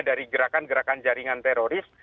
dari gerakan gerakan jaringan teroris